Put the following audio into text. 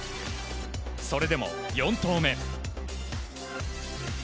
それでも４投目。